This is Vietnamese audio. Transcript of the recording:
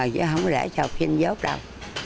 chứ không có để cho học sinh vốt đâu